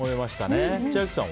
千秋さんは？